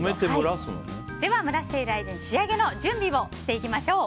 では蒸らしている間に仕上げの準備をしていきましょう。